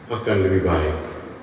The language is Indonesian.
akan lebih baik